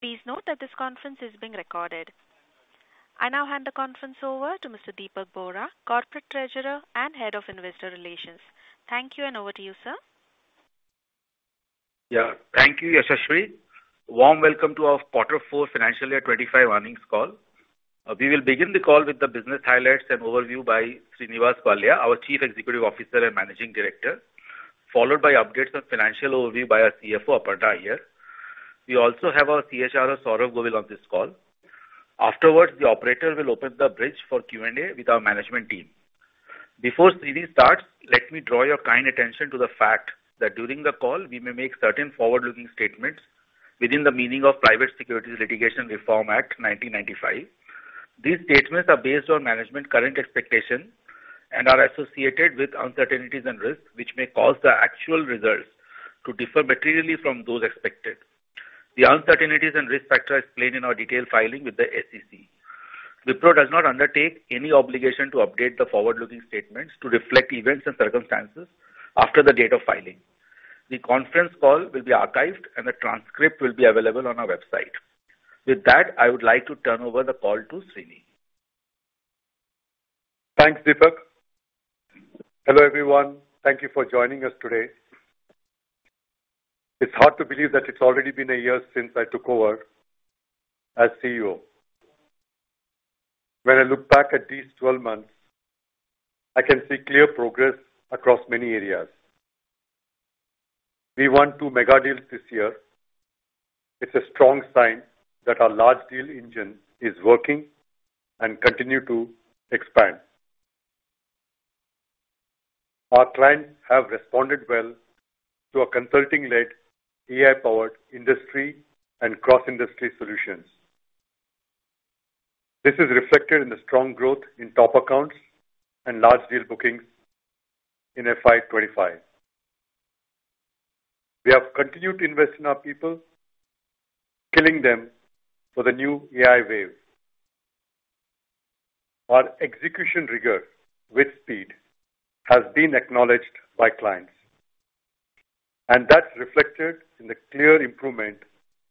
Please note that this conference is being recorded. I now hand the conference over to Mr. Dipak Bohra, Corporate Treasurer and Head of Investor Relations. Thank you, and over to you, sir. Yeah, thank you, Yashasri. Warm welcome to our Quarter Four Financial Year 2025 Earnings Call. We will begin the call with the business highlights and overview by Srini Pallia, our Chief Executive Officer and Managing Director, followed by updates on financial overview by our CFO, Aparna Iyer. We also have our CHRO, Saurabh Govil, on this call. Afterwards, the operator will open the bridge for Q&A with our management team. Before Srini starts, let me draw your kind attention to the fact that during the call, we may make certain forward-looking statements within the meaning of Private Securities Litigation Reform Act, 1995. These statements are based on management's current expectations and are associated with uncertainties and risks which may cause the actual results to differ materially from those expected. The uncertainties and risk factors explained in our detailed filing with the SEC. Wipro does not undertake any obligation to update the forward-looking statements to reflect events and circumstances after the date of filing. The conference call will be archived, and the transcript will be available on our website. With that, I would like to turn over the call to Srini. Thanks, Dipak. Hello, everyone. Thank you for joining us today. It's hard to believe that it's already been a year since I took over as CEO. When I look back at these 12 months, I can see clear progress across many areas. We went to mega deals this year. It's a strong sign that our large deal engine is working and continues to expand. Our clients have responded well to our consulting-led, AI-powered industry and cross-industry solutions. This is reflected in the strong growth in top accounts and large deal bookings in FY 2025. We have continued to invest in our people, skilling them for the new AI wave. Our execution rigor with speed has been acknowledged by clients, and that is reflected in the clear improvement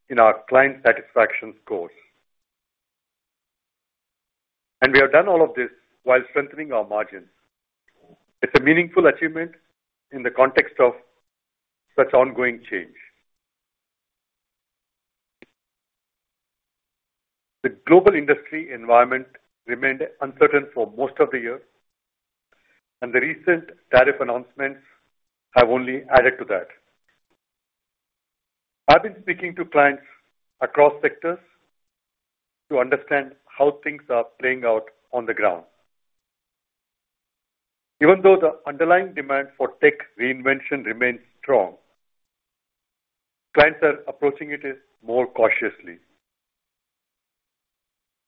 in our client satisfaction scores. We have done all of this while strengthening our margins. It's a meaningful achievement in the context of such ongoing change. The global industry environment remained uncertain for most of the year, and the recent tariff announcements have only added to that. I've been speaking to clients across sectors to understand how things are playing out on the ground. Even though the underlying demand for tech reinvention remains strong, clients are approaching it more cautiously.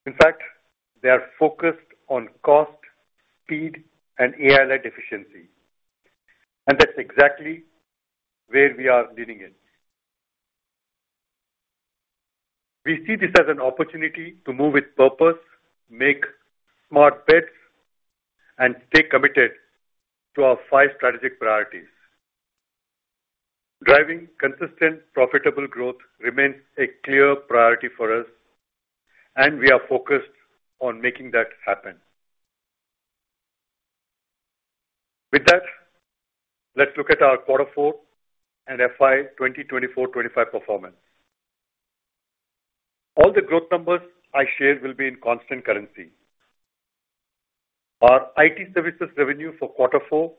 In fact, they are focused on cost, speed, and AI-led efficiency, and that's exactly where we are leaning in. We see this as an opportunity to move with purpose, make smart bets, and stay committed to our five strategic priorities. Driving consistent, profitable growth remains a clear priority for us, and we are focused on making that happen. With that, let's look at our quarter four and FY 2024-2025 performance. All the growth numbers I shared will be in constant currency. Our IT services revenue for quarter four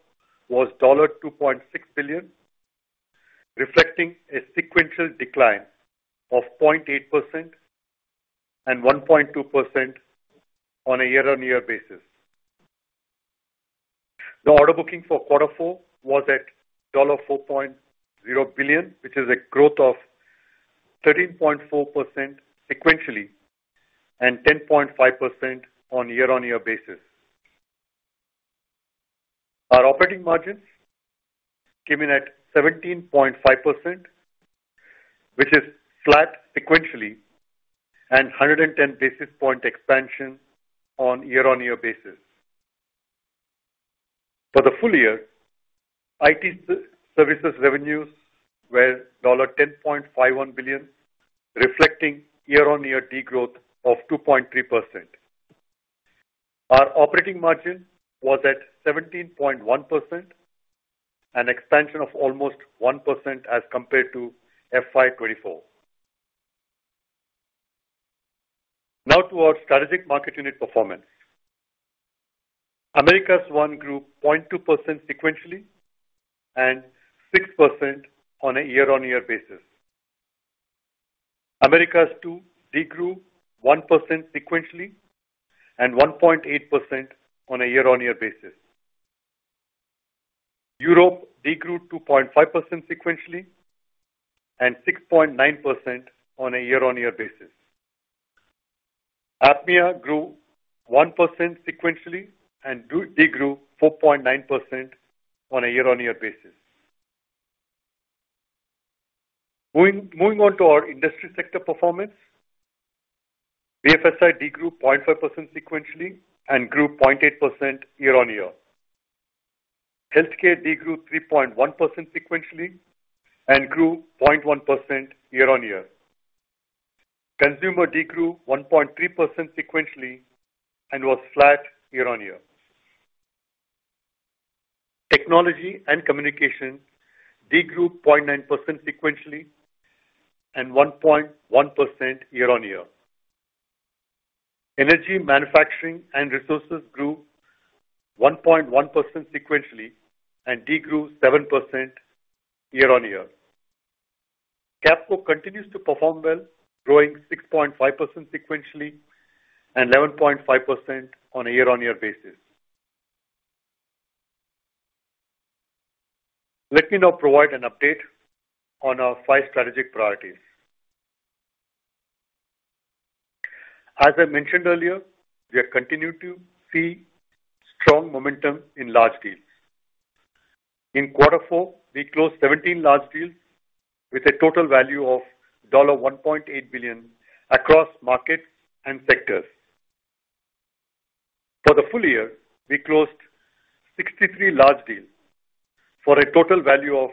was $2.6 billion, reflecting a sequential decline of 0.8% and 1.2% on a year-on-year basis. The order booking for quarter four was at $4.0 billion, which is a growth of 13.4% sequentially and 10.5% on a year-on-year basis. Our operating margins came in at 17.5%, which is flat sequentially and 110 basis points expansion on a year-on-year basis. For the full year, IT services revenues were $10.51 billion, reflecting year-on-year degrowth of 2.3%. Our operating margin was at 17.1%, an expansion of almost 1% as compared to FY 2024. Now to our strategic market unit performance. Americas 1 grew 0.2% sequentially and 6% on a year-on-year basis. Americas 2 degrew 1% sequentially and 1.8% on a year-on-year basis. Europe degrew 2.5% sequentially and 6.9% on a year-on-year basis. APMEA grew 1% sequentially and degrew 4.9% on a year-on-year basis. Moving on to our industry sector performance, BFSI degrew 0.5% sequentially and grew 0.8% year-on-year. Healthcare degrew 3.1% sequentially and grew 0.1% year-on-year. Consumer degrew 1.3% sequentially and was flat year-on-year. Technology and communication degrew 0.9% sequentially and 1.1% year-on-year. Energy, manufacturing, and resources grew 1.1% sequentially and degrew 7% year-on-year. Capco continues to perform well, growing 6.5% sequentially and 11.5% on a year-on-year basis. Let me now provide an update on our five strategic priorities. As I mentioned earlier, we have continued to see strong momentum in large deals. In quarter four, we closed 17 large deals with a total value of $1.8 billion across markets and sectors. For the full year, we closed 63 large deals for a total value of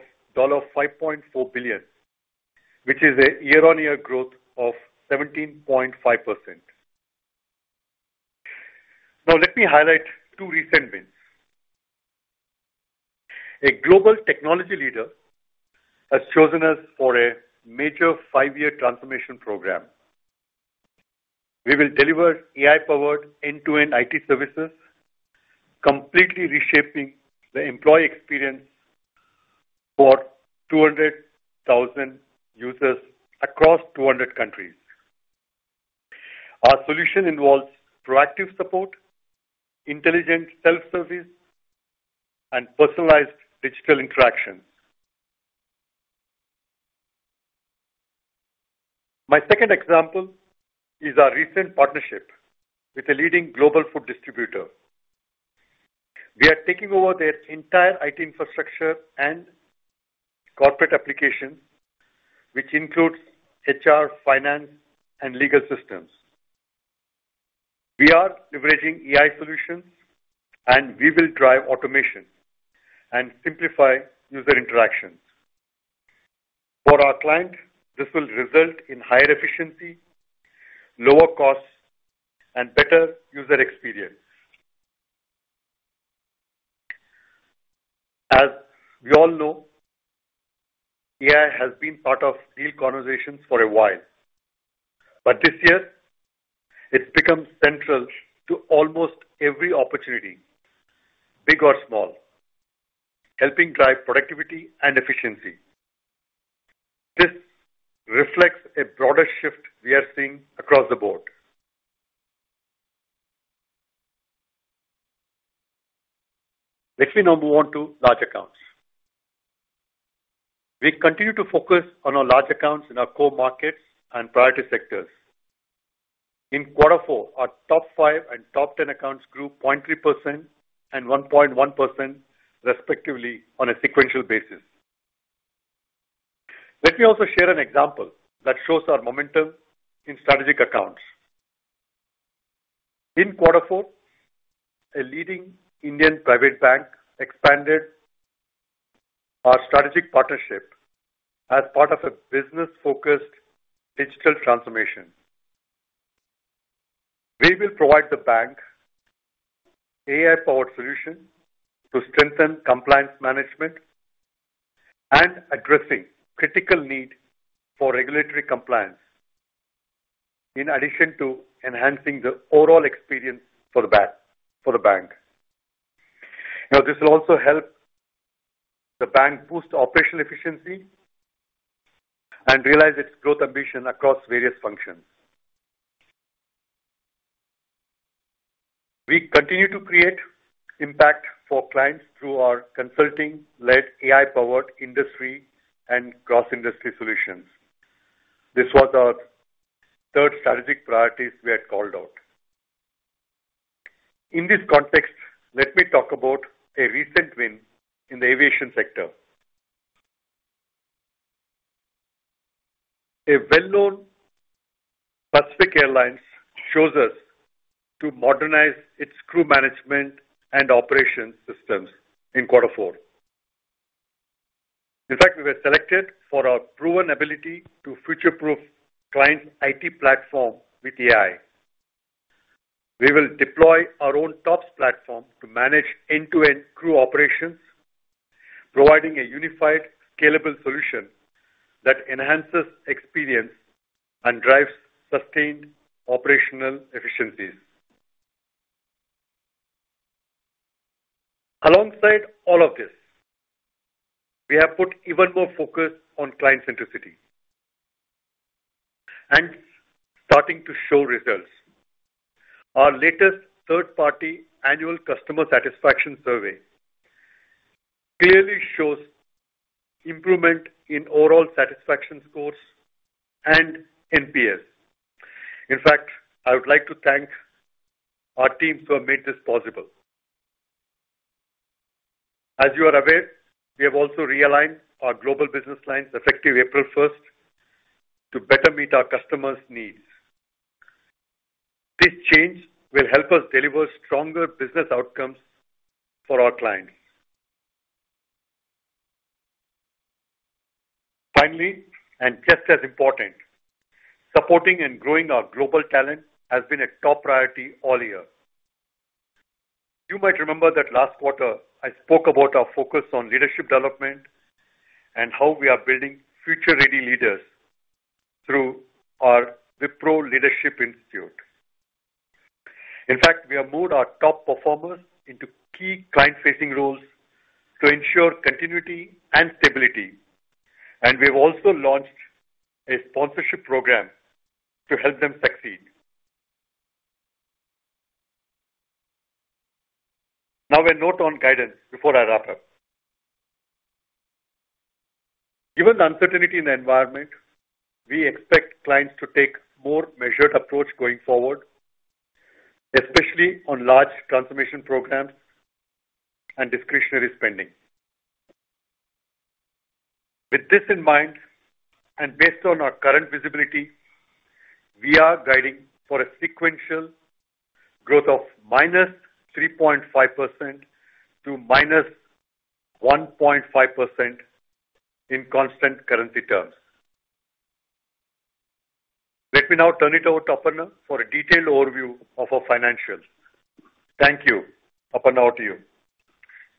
$5.4 billion, which is a year-on-year growth of 17.5%. Now, let me highlight two recent wins. A global technology leader has chosen us for a major five-year transformation program. We will deliver AI-powered end-to-end IT services, completely reshaping the employee experience for 200,000 users across 200 countries. Our solution involves proactive support, intelligent self-service, and personalized digital interactions. My second example is our recent partnership with a leading global food distributor. We are taking over their entire IT infrastructure and corporate applications, which includes HR, finance, and legal systems. We are leveraging AI solutions, and we will drive automation and simplify user interactions. For our client, this will result in higher efficiency, lower costs, and better user experience. As we all know, AI has been part of deal conversations for a while, but this year, it's become central to almost every opportunity, big or small, helping drive productivity and efficiency. This reflects a broader shift we are seeing across the board. Let me now move on to large accounts. We continue to focus on our large accounts in our core markets and priority sectors. In quarter four, our top five and top ten accounts grew 0.3% and 1.1%, respectively, on a sequential basis. Let me also share an example that shows our momentum in strategic accounts. In quarter four, a leading Indian private bank expanded our strategic partnership as part of a business-focused digital transformation. We will provide the bank an AI-powered solution to strengthen compliance management and address critical needs for regulatory compliance, in addition to enhancing the overall experience for the bank. Now, this will also help the bank boost operational efficiency and realize its growth ambition across various functions. We continue to create impact for clients through our consulting-led AI-powered industry and cross-industry solutions. This was our third strategic priority we had called out. In this context, let me talk about a recent win in the aviation sector. A well-known Pacific airline chose us to modernize its crew management and operations systems in quarter four. In fact, we were selected for our proven ability to future-proof clients' IT platform with AI. We will deploy our own TOPS platform to manage end-to-end crew operations, providing a unified, scalable solution that enhances experience and drives sustained operational efficiencies. Alongside all of this, we have put even more focus on client centricity and starting to show results. Our latest third-party annual customer satisfaction survey clearly shows improvement in overall satisfaction scores and NPS. In fact, I would like to thank our team who have made this possible. As you are aware, we have also realigned our global business lines effective April 1 to better meet our customers' needs. This change will help us deliver stronger business outcomes for our clients. Finally, and just as important, supporting and growing our global talent has been a top priority all year. You might remember that last quarter, I spoke about our focus on leadership development and how we are building future-ready leaders through our Wipro Leadership Institute. In fact, we have moved our top performers into key client-facing roles to ensure continuity and stability, and we have also launched a sponsorship program to help them succeed. Now, a note on guidance before I wrap up. Given the uncertainty in the environment, we expect clients to take a more measured approach going forward, especially on large transformation programs and discretionary spending. With this in mind and based on our current visibility, we are guiding for a sequential growth of minus 3.5% to minus 1.5% in constant currency terms. Let me now turn it over to Aparna for a detailed overview of our financials. Thank you, Aparna, over to you.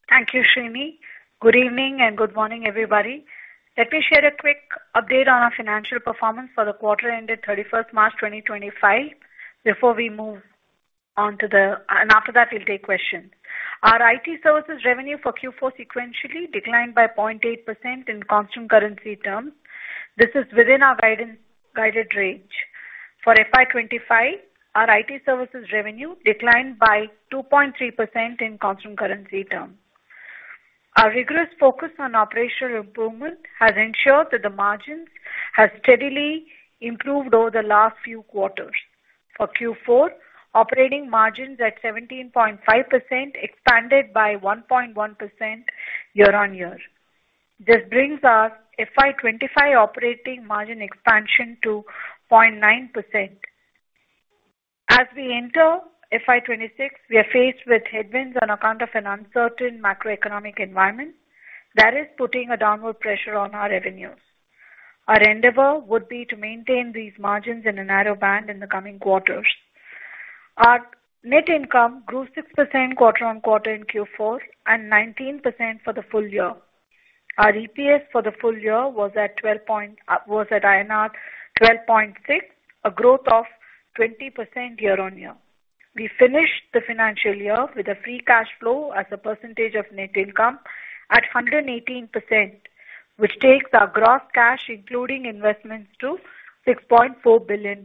Thank you, Srini. Good evening and good morning, everybody. Let me share a quick update on our financial performance for the quarter ended 31st March 2025 before we move on to the, and after that, we'll take questions. Our IT services revenue for Q4 sequentially declined by 0.8% in constant currency terms. This is within our guided range. For FY 2025, our IT services revenue declined by 2.3% in constant currency terms. Our rigorous focus on operational improvement has ensured that the margins have steadily improved over the last few quarters. For Q4, operating margins at 17.5% expanded by 1.1% year-on-year. This brings our FY 2025 operating margin expansion to 0.9%. As we enter FY 2026, we are faced with headwinds on account of an uncertain macroeconomic environment that is putting a downward pressure on our revenues. Our endeavor would be to maintain these margins in a narrow band in the coming quarters. Our net income grew 6% quarter on quarter in Q4 and 19% for the full year. Our EPS for the full year was at INR 12.6, a growth of 20% year-on-year. We finished the financial year with a free cash flow as a percentage of net income at 118%, which takes our gross cash, including investments, to $6.4 billion.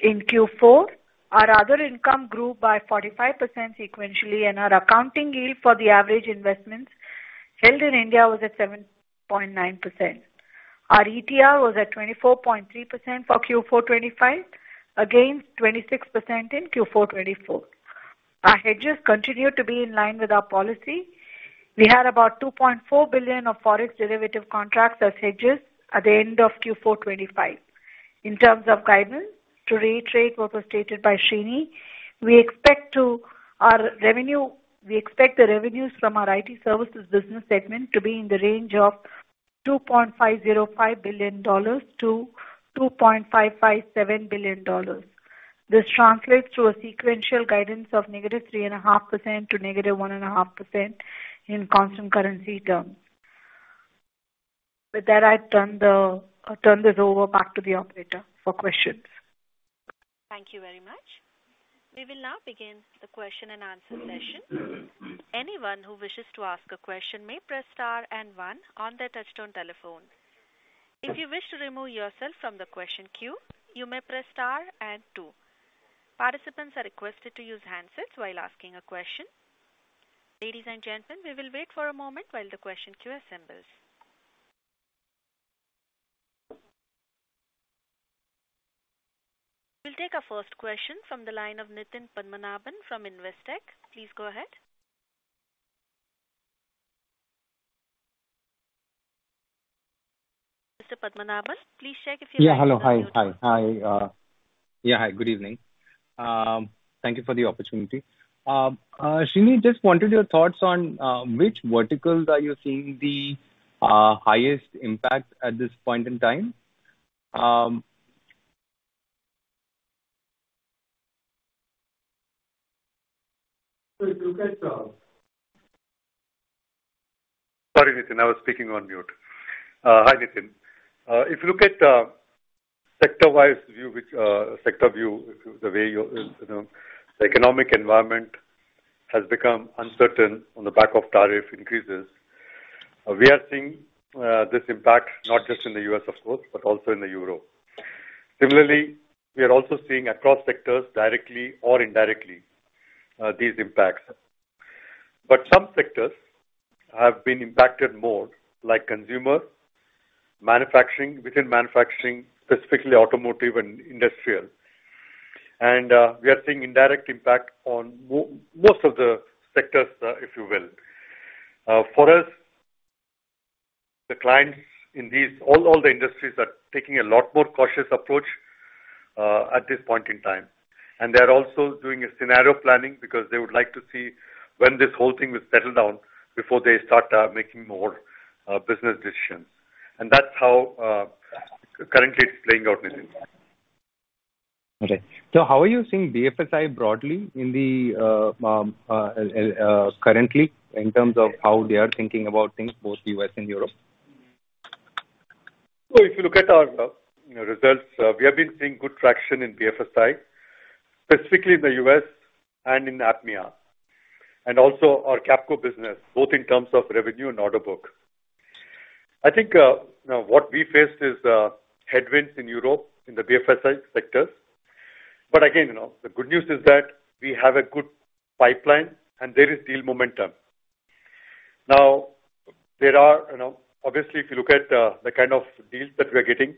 In Q4, our other income grew by 45% sequentially, and our accounting yield for the average investments held in India was at 7.9%. Our ETR was at 24.3% for Q4 2025, against 26% in Q4 2024. Our hedges continue to be in line with our policy. We had about $2.4 billion of forex derivative contracts as hedges at the end of Q4 2025. In terms of guidance, to reiterate what was stated by Srini, we expect the revenues from our IT services business segment to be in the range of $2.505 billion-$2.557 billion. This translates to a sequential guidance of negative 3.5% to negative 1.5% in constant currency terms. With that, I turn this over back to the operator for questions. Thank you very much. We will now begin the question and answer session. Anyone who wishes to ask a question may press star and one on their touchtone telephone. If you wish to remove yourself from the question queue, you may press star and two. Participants are requested to use handsets while asking a question. Ladies and gentlemen, we will wait for a moment while the question queue assembles. We'll take our first question from the line of Nitin Padmanabhan from Investec. Please go ahead. Mr. Padmanabhan, please check if you're on. Yeah, hi. Good evening. Thank you for the opportunity. Srini, just wanted your thoughts on which verticals are you seeing the highest impact at this point in time. If you look at. Sorry, Nitin. I was speaking on mute. Hi, Nitin. If you look at the sector-wise view, the way the economic environment has become uncertain on the back of tariff increases, we are seeing this impact not just in the U.S., of course, but also in Europe. Similarly, we are also seeing across sectors, directly or indirectly, these impacts. Some sectors have been impacted more, like consumer, manufacturing, within manufacturing, specifically automotive and industrial. We are seeing indirect impact on most of the sectors, if you will. For us, the clients in all the industries are taking a lot more cautious approach at this point in time. They are also doing a scenario planning because they would like to see when this whole thing will settle down before they start making more business decisions. That is how currently it's playing out, Nitin. Okay. How are you seeing BFSI broadly currently in terms of how they are thinking about things, both U.S. and Europe? If you look at our results, we have been seeing good traction in BFSI, specifically in the U.S. and in APMEA, and also our Capco business, both in terms of revenue and order book. I think what we faced is headwinds in Europe in the BFSI sectors. The good news is that we have a good pipeline, and there is deal momentum. Now, obviously, if you look at the kind of deals that we are getting,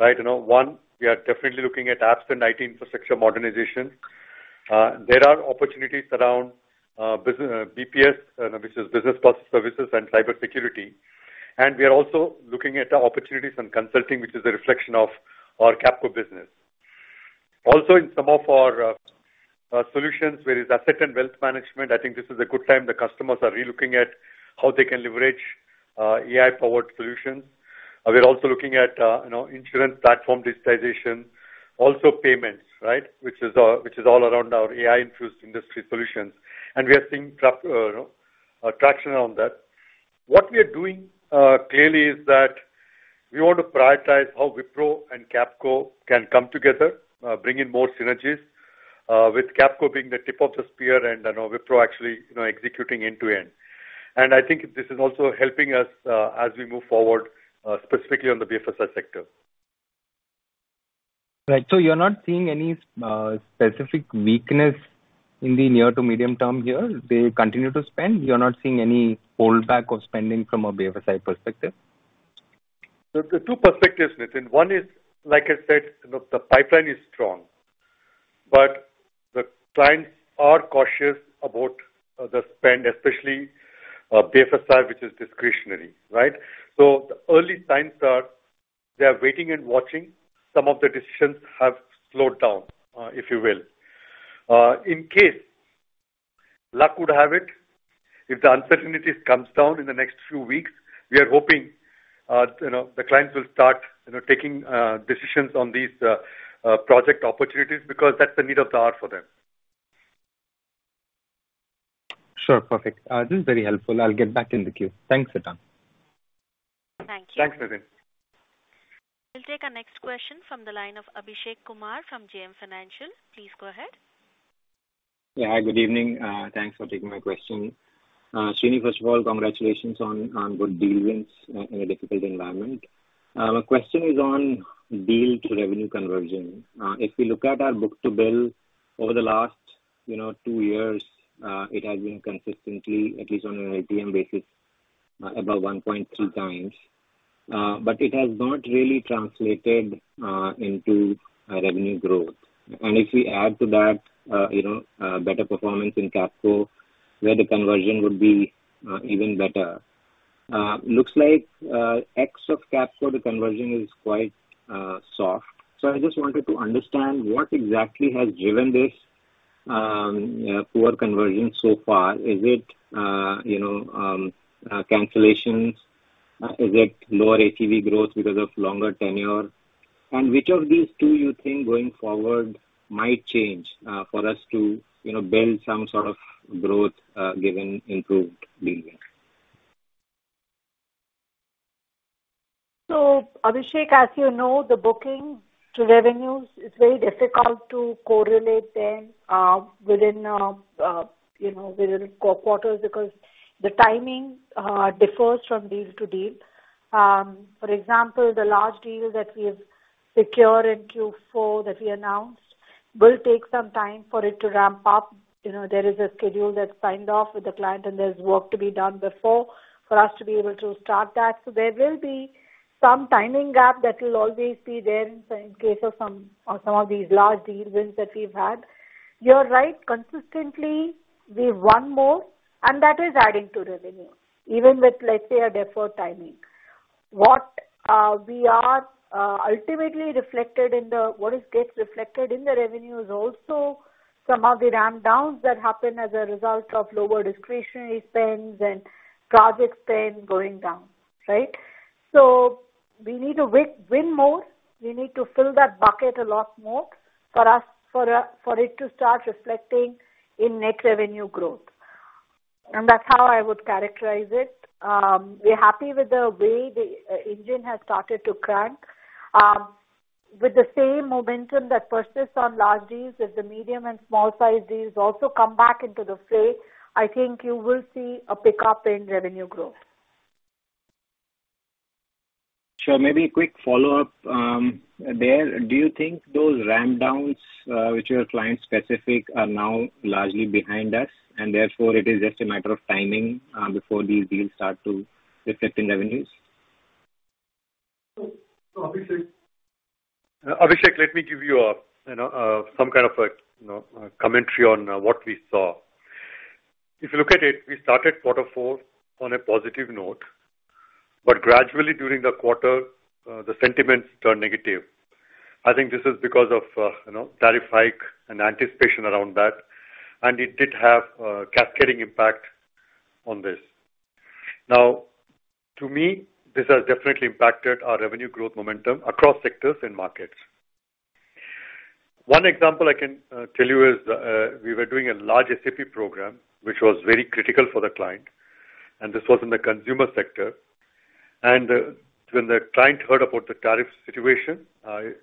right, one, we are definitely looking at apps and IT Infrastructure Modernization. There are opportunities around BPS, which is Business Process Services and Cybersecurity. We are also looking at opportunities in consulting, which is a reflection of our Capco business. Also, in some of our solutions, there is asset and wealth management. I think this is a good time the customers are re-looking at how they can leverage AI-powered solutions. We're also looking at insurance platform digitization, also payments, right, which is all around our AI-infused industry solutions. We are seeing traction around that. What we are doing clearly is that we want to prioritize how Wipro and Capco can come together, bring in more synergies, with Capco being the tip of the spear and Wipro actually executing end-to-end. I think this is also helping us as we move forward, specifically on the BFSI sector. Right. You are not seeing any specific weakness in the near to medium term here? They continue to spend? You are not seeing any fallback of spending from a BFSI perspective? The two perspectives, Nitin. One is, like I said, the pipeline is strong, but the clients are cautious about the spend, especially BFSI, which is discretionary, right? The early signs are they are waiting and watching. Some of the decisions have slowed down, if you will. In case luck would have it, if the uncertainties come down in the next few weeks, we are hoping the clients will start taking decisions on these project opportunities because that is the need of the hour for them. Sure. Perfect. This is very helpful. I will get back in the queue. Thanks, Srini. Thank you. Thanks, Nitin. We'll take our next question from the line of Abhishek Kumar from JM Financial. Please go ahead. Yeah. Hi. Good evening. Thanks for taking my question. Srini, first of all, congratulations on good deal wins in a difficult environment. My question is on deal-to-revenue conversion. If we look at our book-to-bill over the last two years, it has been consistently, at least on an LTM basis, about 1.3 times. It has not really translated into revenue growth. If we add to that better performance in Capco, where the conversion would be even better, looks like X of Capco, the conversion is quite soft. I just wanted to understand what exactly has driven this poor conversion so far. Is it cancellations? Is it lower ATV growth because of longer tenure? Which of these two do you think going forward might change for us to build some sort of growth given improved deal wins? Abhishek, as you know, the booking to revenues is very difficult to correlate within core quarters because the timing differs from deal to deal. For example, the large deal that we have secured in Q4 that we announced will take some time for it to ramp up. There is a schedule that's signed off with the client, and there's work to be done before for us to be able to start that. There will be some timing gap that will always be there in case of some of these large deal wins that we've had. You're right. Consistently, we've won more, and that is adding to revenue, even with, let's say, a deferred timing. What gets reflected in the revenue is also some of the rundowns that happen as a result of lower discretionary spends and project spend going down, right? We need to win more. We need to fill that bucket a lot more for us for it to start reflecting in net revenue growth. That's how I would characterize it. We're happy with the way the engine has started to crank. With the same momentum that persists on large deals, if the medium and small-sized deals also come back into the fray, I think you will see a pickup in revenue growth. Sure. Maybe a quick follow-up there. Do you think those rundowns, which are client-specific, are now largely behind us, and therefore it is just a matter of timing before these deals start to reflect in revenues? Abhishek, let me give you some kind of a commentary on what we saw. If you look at it, we started quarter four on a positive note, but gradually during the quarter, the sentiments turned negative. I think this is because of tariff hike and anticipation around that, and it did have a cascading impact on this. Now, to me, this has definitely impacted our revenue growth momentum across sectors and markets. One example I can tell you is we were doing a large SAP program, which was very critical for the client, and this was in the consumer sector. When the client heard about the tariff situation,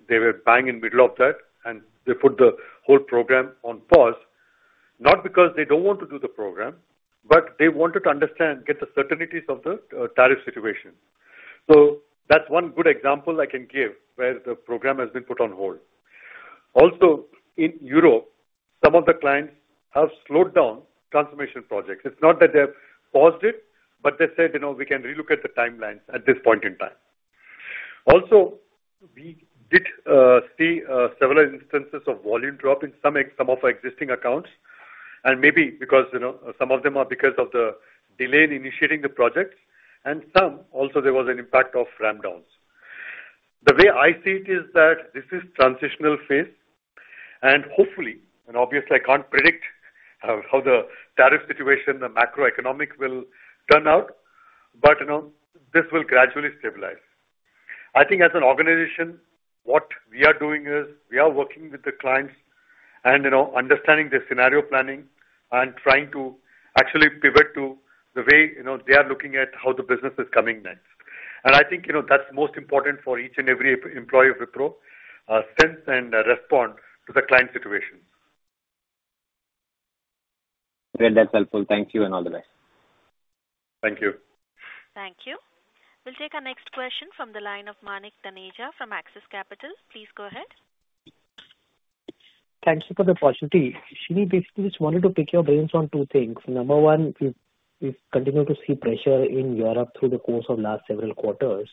they were bang in the middle of that, and they put the whole program on pause, not because they do not want to do the program, but they wanted to understand, get the certainties of the tariff situation. That's one good example I can give where the program has been put on hold. Also, in Europe, some of the clients have slowed down transformation projects. It's not that they've paused it, but they said, "We can re-look at the timelines at this point in time." Also, we did see several instances of volume drop in some of our existing accounts, and maybe because some of them are because of the delay in initiating the projects, and some also there was an impact of rundowns. The way I see it is that this is a transitional phase, and hopefully, and obviously, I can't predict how the tariff situation, the macroeconomic will turn out, but this will gradually stabilize. I think as an organization, what we are doing is we are working with the clients and understanding their scenario planning and trying to actually pivot to the way they are looking at how the business is coming next. I think that's most important for each and every employee of Wipro: sense and respond to the client situation. That's helpful. Thank you and all the best. Thank you. Thank you. We'll take our next question from the line of Manik Taneja from Axis Capital. Please go ahead. Thank you for the opportunity. Srini, basically, just wanted to pick your brains on two things. Number one, we've continued to see pressure in Europe through the course of the last several quarters.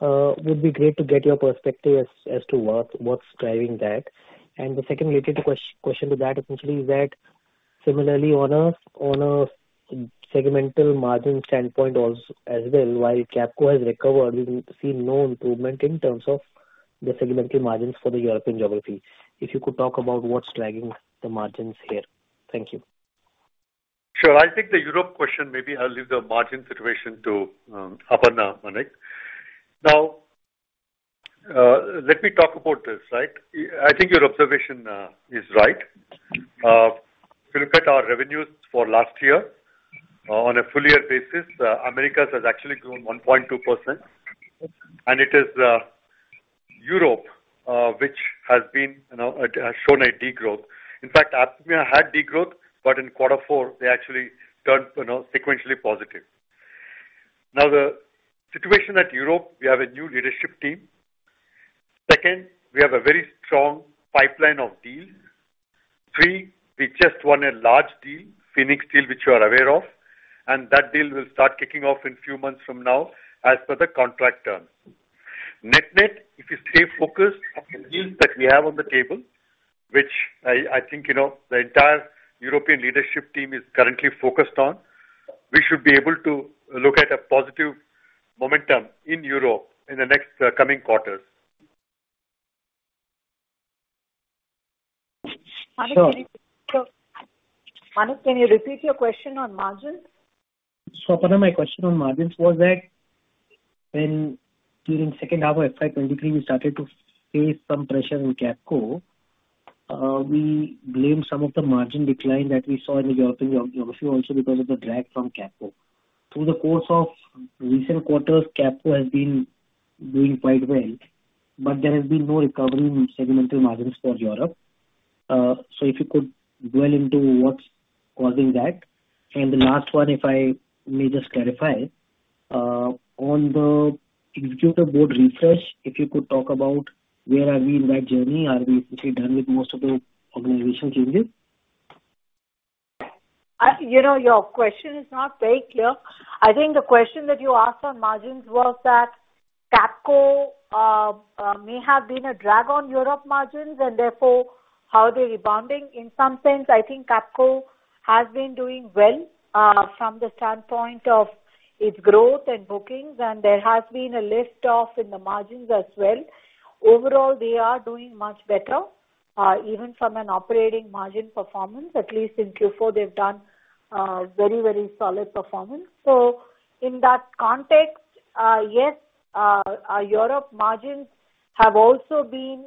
It would be great to get your perspective as to what's driving that. The second related question to that, essentially, is that similarly on a segmental margin standpoint as well, while Capco has recovered, we've seen no improvement in terms of the segmental margins for the European geography. If you could talk about what's driving the margins here. Thank you. Sure. I think the Europe question, maybe I'll leave the margin situation to Aparna, Manik. Now, let me talk about this, right? I think your observation is right. If you look at our revenues for last year on a full-year basis, America has actually grown 1.2%, and it is Europe which has shown a degrowth. In fact, Aparna had degrowth, but in quarter four, they actually turned sequentially positive. Now, the situation at Europe, we have a new leadership team. Second, we have a very strong pipeline of deals. Three, we just won a large deal, Phoenix Deal, which you are aware of, and that deal will start kicking off in a few months from now as per the contract term. Net-net, if you stay focused on the deals that we have on the table, which I think the entire European leadership team is currently focused on, we should be able to look at a positive momentum in Europe in the next coming quarters. Manik, can you repeat your question on margins? Aparna, my question on margins was that during second half of FY 2023, we started to face some pressure in Capco. We blamed some of the margin decline that we saw in the European geography also because of the drag from Capco. Through the course of recent quarters, Capco has been doing quite well, but there has been no recovery in segmental margins for Europe. If you could dwell into what's causing that. The last one, if I may just clarify, on the executive board refresh, if you could talk about where are we in that journey? Are we essentially done with most of the organizational changes? Your question is not very clear. I think the question that you asked on margins was that Capco may have been a drag on Europe margins, and therefore how they're rebounding. In some sense, I think Capco has been doing well from the standpoint of its growth and bookings, and there has been a lift-off in the margins as well. Overall, they are doing much better, even from an operating margin performance. At least in Q4, they've done very, very solid performance. In that context, yes, Europe margins have also been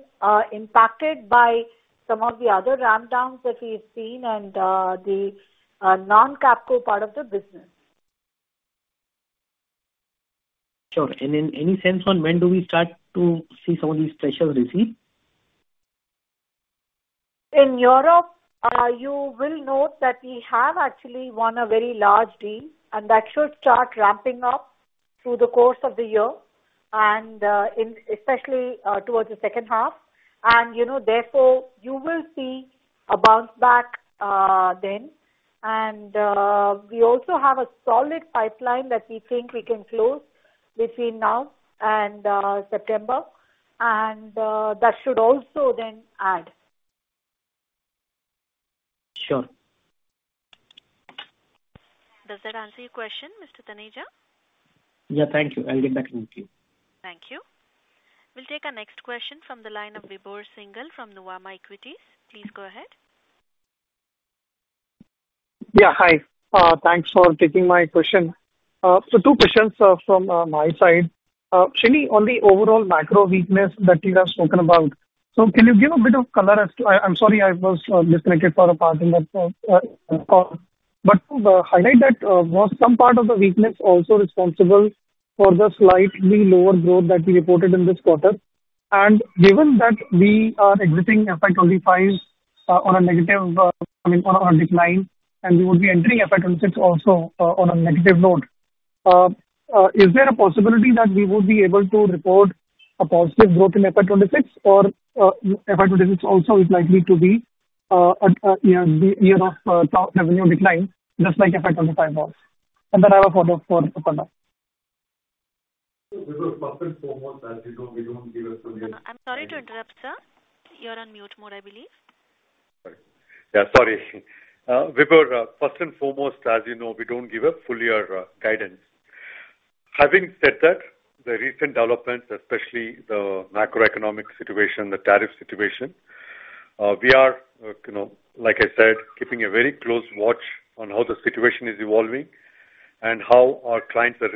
impacted by some of the other rundowns that we've seen and the non-Capco part of the business. Sure. In any sense on when do we start to see some of these pressures recede? In Europe, you will note that we have actually won a very large deal, and that should start ramping up through the course of the year, especially towards the second half. Therefore, you will see a bounce back then. We also have a solid pipeline that we think we can close between now and September, and that should also then add. Sure. Does that answer your question, Mr. Taneja? Yeah. Thank you. I'll get back in the queue. Thank you. We'll take our next question from the line of Vibhor Singhal from Nuvama Equities. Please go ahead. Yeah. Hi. Thanks for taking my question. Two questions from my side. Srini, on the overall macro weakness that you have spoken about, can you give a bit of color as to, I'm sorry, I was disconnected for a part in that call, to highlight that some part of the weakness is also responsible for the slightly lower growth that we reported in this quarter. Given that we are exiting FY 2025 on a negative, I mean, on a decline, and we would be entering FY 2026 also on a negative note, is there a possibility that we would be able to report a positive growth in FY 2026, or FY 2026 also is likely to be a year of revenue decline, just like FY 2025 was. I have a follow-up for Aparna. Wipro, first and foremost, as you know, we do not give a full year. I'm sorry to interrupt, sir. You are on mute mode, I believe. Sorry. Yeah. Sorry. Wipro, first and foremost, as you know, we do not give a full year guidance. Having said that, the recent developments, especially the macroeconomic situation, the tariff situation, we are, like I said, keeping a very close watch on how the situation is evolving and how our clients are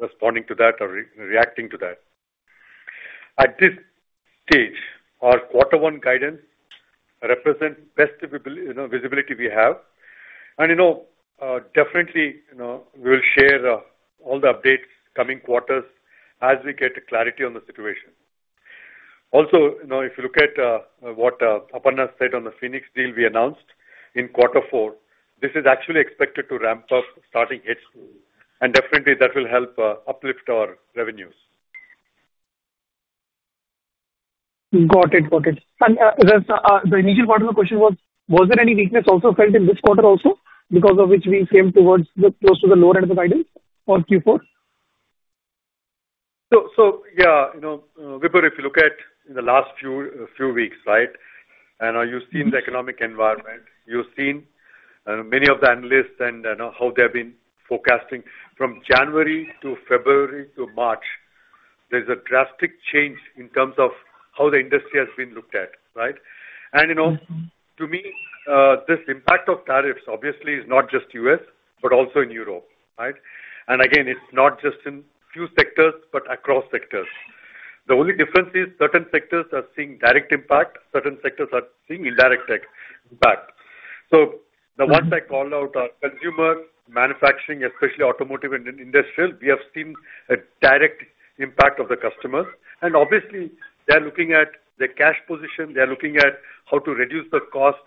responding to that or reacting to that. At this stage, our quarter one guidance represents the best visibility we have. We will share all the updates coming quarters as we get clarity on the situation. Also, if you look at what Aparna said on the Phoenix Deal we announced in quarter four, this is actually expected to ramp up starting hits through. That will help uplift our revenues. Got it. Got it. The initial part of the question was, was there any weakness also felt in this quarter also because of which we came towards close to the lower end of the guidance for Q4? Yeah, Wipro, if you look at the last few weeks, right, and you've seen the economic environment, you've seen many of the analysts and how they've been forecasting. From January to February to March, there's a drastic change in terms of how the industry has been looked at, right? To me, this impact of tariffs, obviously, is not just U.S., but also in Europe, right? Again, it's not just in a few sectors, but across sectors. The only difference is certain sectors are seeing direct impact, certain sectors are seeing indirect impact. The ones I called out are consumer, manufacturing, especially automotive and industrial. We have seen a direct impact of the customers. Obviously, they're looking at their cash position, they're looking at how to reduce the cost,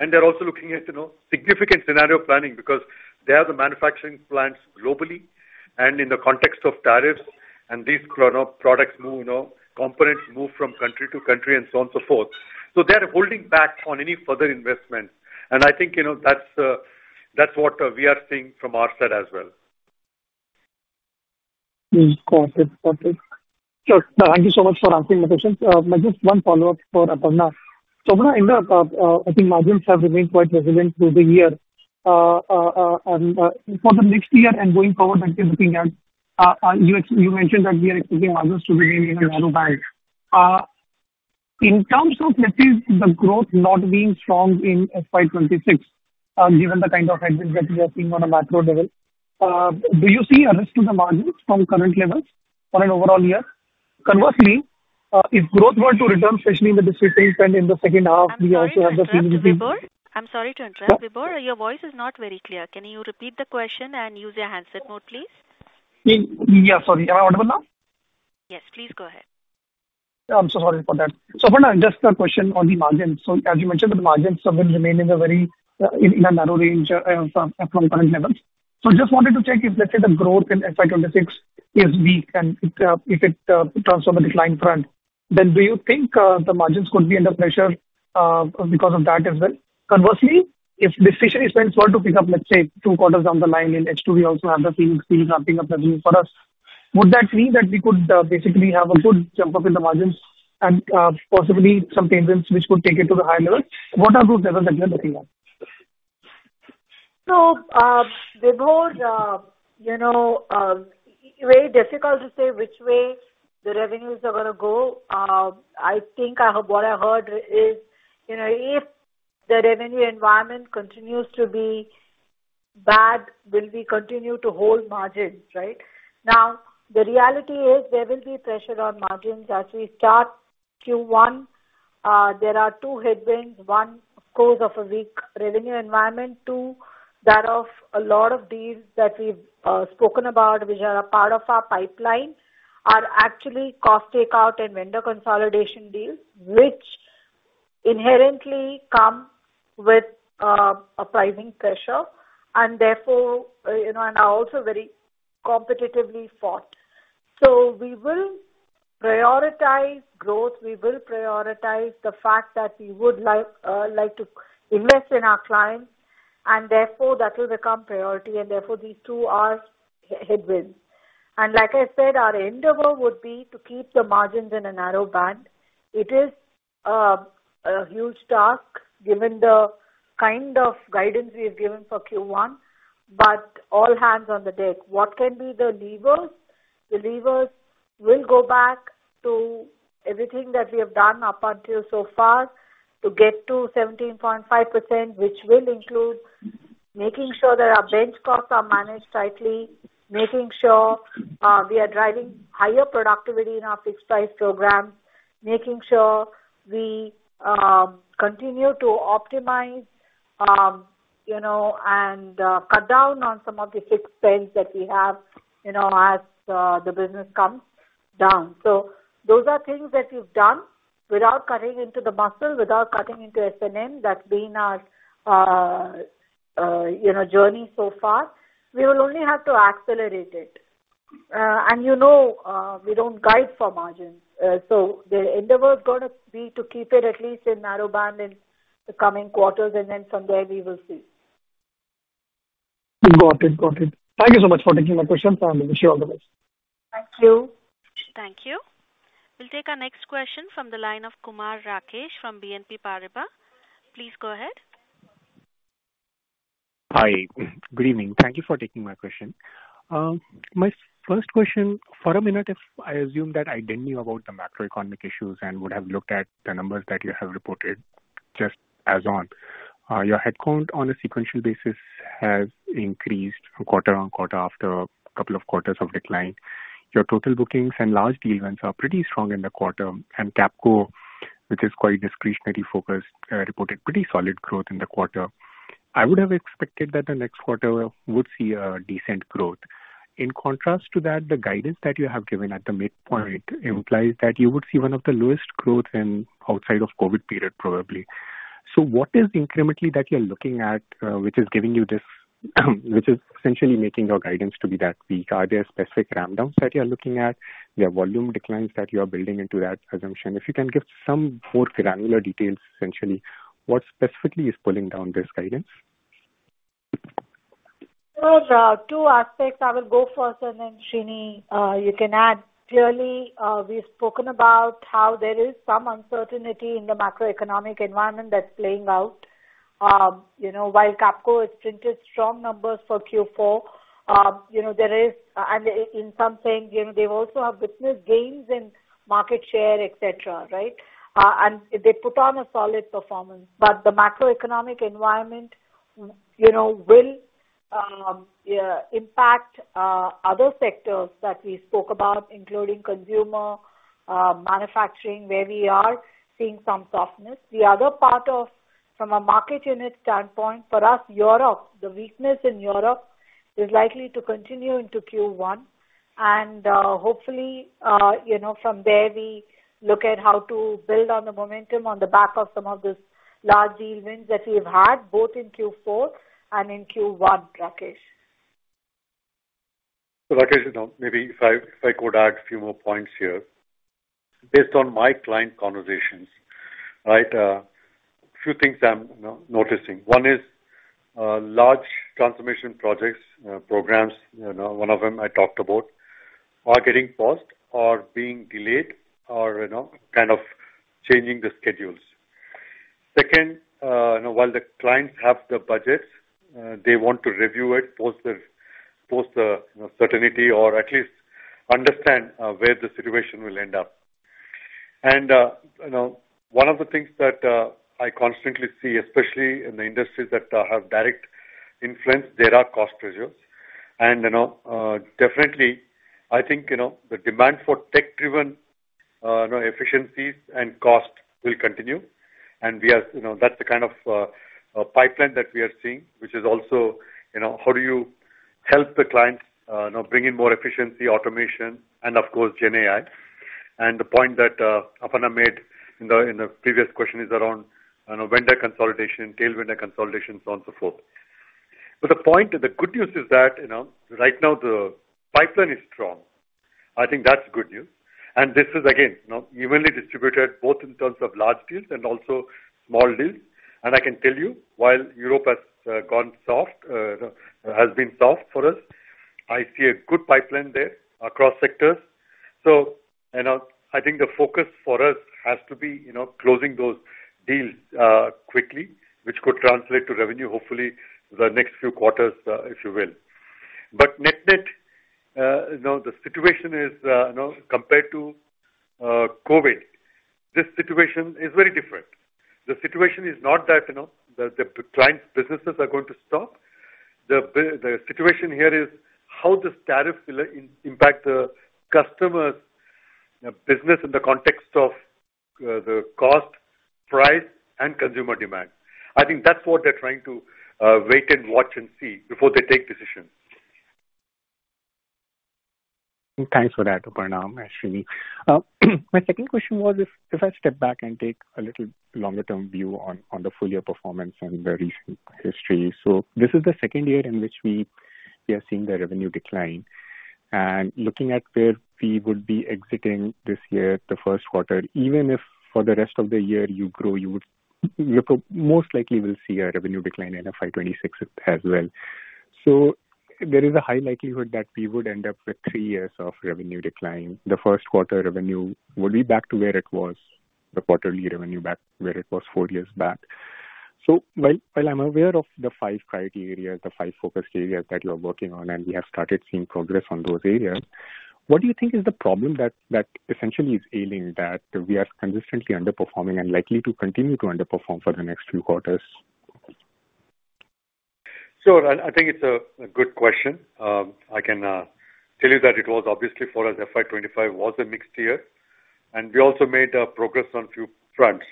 and they're also looking at significant scenario planning because they have the manufacturing plants globally and in the context of tariffs, and these products move, components move from country to country and so on and so forth. They're holding back on any further investment. I think that's what we are seeing from our side as well. Of course. Of course. Sure. Thank you so much for answering my questions. Just one follow-up for Aparna. Aparna, I think margins have remained quite resilient through the year. For the next year and going forward, I'm looking at you mentioned that we are expecting margins to remain in a narrow band. In terms of, let's say, the growth not being strong in FY 2026, given the kind of headwinds that we are seeing on a macro level, do you see a risk to the margins from current levels on an overall year? Conversely, if growth were to return, especially in the distributing trend in the second half, we also have the— Wipro? I'm sorry to interrupt. Wipro? Your voice is not very clear. Can you repeat the question and use your handset mode, please? Yeah. Sorry. Am I audible now? Yes. Please go ahead. I'm so sorry for that. Aparna, just a question on the margins. As you mentioned, the margins have been remaining in a very narrow range from current levels. I just wanted to check if, let's say, the growth in FY 2026 is weak, and if it turns from a decline front, then do you think the margins could be under pressure because of that as well? Conversely, if decision is when it's hard to pick up, let's say, two quarters down the line in H2, we also have the Phoenix Deal ramping up revenue for us, would that mean that we could basically have a good jump up in the margins and possibly some payments which could take it to the higher level? What are those levels that you're looking at? Wipro, very difficult to say which way the revenues are going to go. I think what I heard is if the revenue environment continues to be bad, will we continue to hold margins, right? Now, the reality is there will be pressure on margins as we start Q1. There are two headwinds. One, cause of a weak revenue environment. Two, that of a lot of deals that we've spoken about, which are a part of our pipeline, are actually cost takeout and vendor consolidation deals, which inherently come with a pricing pressure, and therefore are also very competitively fought. We will prioritize growth, we will prioritize the fact that we would like to invest in our clients, and therefore that will become priority, and therefore these two are headwinds. Like I said, our end of it would be to keep the margins in a narrow band. It is a huge task given the kind of guidance we have given for Q1, but all hands on the deck. What can be the levers? The levers will go back to everything that we have done up until so far to get to 17.5%, which will include making sure that our bench costs are managed tightly, making sure we are driving higher productivity in our fixed price programs, making sure we continue to optimize and cut down on some of the fixed spends that we have as the business comes down. Those are things that we've done without cutting into the muscle, without cutting into S&M. That's been our journey so far. We will only have to accelerate it. We do not guide for margins. The end of it is going to be to keep it at least in narrow band in the coming quarters, and then from there, we will see. Got it. Thank you so much for taking my questions, and wish you all the best. Thank you. Thank you. We'll take our next question from the line of Kumar Rakesh from BNP Paribas. Please go ahead. Hi. Good evening. Thank you for taking my question. My first question, for a minute, I assumed that I didn't know about the macroeconomic issues and would have looked at the numbers that you have reported just as on. Your headcount on a sequential basis has increased quarter on quarter after a couple of quarters of decline. Your total bookings and large deal wins are pretty strong in the quarter, and Capco, which is quite discretionary focused, reported pretty solid growth in the quarter. I would have expected that the next quarter would see a decent growth. In contrast to that, the guidance that you have given at the midpoint implies that you would see one of the lowest growths outside of COVID period, probably. What is incrementally that you're looking at, which is giving you this, which is essentially making your guidance to be that weak? Are there specific rundowns that you're looking at? There are volume declines that you are building into that assumption. If you can give some more granular details, essentially, what specifically is pulling down this guidance? There are two aspects. I will go first, and then Srini, you can add. Clearly, we've spoken about how there is some uncertainty in the macroeconomic environment that's playing out. While Capco has printed strong numbers for Q4, there is, and in some things, they've also witnessed gains in market share, etc., right? They put on a solid performance. The macroeconomic environment will impact other sectors that we spoke about, including consumer, manufacturing, where we are seeing some softness. The other part of, from a market unit standpoint, for us, Europe, the weakness in Europe is likely to continue into Q1. Hopefully, from there, we look at how to build on the momentum on the back of some of these large deal wins that we've had both in Q4 and in Q1, Rakesh. Rakesh, maybe if I could add a few more points here. Based on my client conversations, right, a few things I'm noticing. One is large transformation projects, programs, one of them I talked about, are getting paused or being delayed or kind of changing the schedules. Second, while the clients have the budgets, they want to review it, post the certainty, or at least understand where the situation will end up. One of the things that I constantly see, especially in the industries that have direct influence, there are cost pressures. I definitely think the demand for tech-driven efficiencies and cost will continue. That is the kind of pipeline that we are seeing, which is also how you help the clients bring in more efficiency, automation, and of course, GenAI. The point that Aparna made in the previous question is around vendor consolidation, tailwind consolidation, so on and so forth. The good news is that right now, the pipeline is strong. I think that is good news. This is, again, evenly distributed both in terms of large deals and also small deals. I can tell you, while Europe has gone soft, has been soft for us, I see a good pipeline there across sectors. I think the focus for us has to be closing those deals quickly, which could translate to revenue, hopefully, the next few quarters, if you will. Net net, the situation is compared to COVID, this situation is very different. The situation is not that the client businesses are going to stop. The situation here is how does tariffs impact the customer's business in the context of the cost, price, and consumer demand. I think that's what they're trying to wait and watch and see before they take decisions. Thanks for that, Aparna and Srini. My second question was if I step back and take a little longer-term view on the full year performance and the recent history. This is the second year in which we are seeing the revenue decline. Looking at where we would be exiting this year, the first quarter, even if for the rest of the year you grow, you would most likely will see a revenue decline in FY 2026 as well. There is a high likelihood that we would end up with three years of revenue decline. The first quarter revenue would be back to where it was, the quarterly revenue back where it was four years back. While I'm aware of the five criteria, the five focus areas that you are working on, and we have started seeing progress on those areas, what do you think is the problem that essentially is ailing that we are consistently underperforming and likely to continue to underperform for the next few quarters? Sure. I think it's a good question. I can tell you that it was obviously for us, FY 2025 was a mixed year. We also made progress on a few fronts.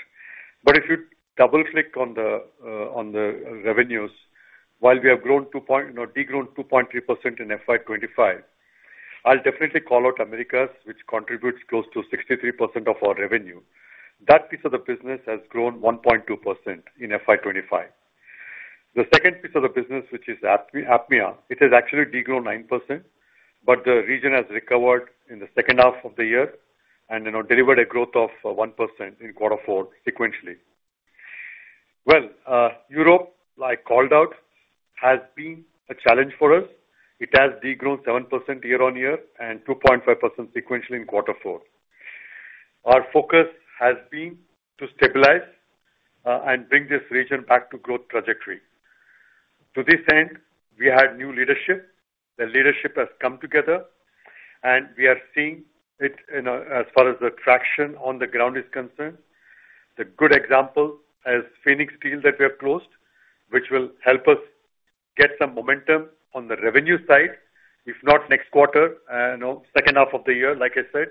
If you double-click on the revenues, while we have degrown 2.3% in FY 2025, I'll definitely call out Americas, which contributes close to 63% of our revenue. That piece of the business has grown 1.2% in FY 2025. The second piece of the business, which is APMEA, it has actually degrown 9%, but the region has recovered in the second half of the year and delivered a growth of 1% in quarter four sequentially. Europe, like called out, has been a challenge for us. It has degrown 7% year on year and 2.5% sequentially in quarter four. Our focus has been to stabilize and bring this region back to growth trajectory. To this end, we had new leadership. The leadership has come together, and we are seeing it as far as the traction on the ground is concerned. The good example is Phoenix Deal that we have closed, which will help us get some momentum on the revenue side, if not next quarter, second half of the year, like I said.